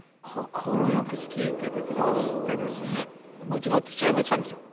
うちの父親も言ってたんですよ